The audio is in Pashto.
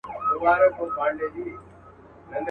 د کرونا له تودې تبي څخه سوړ سو.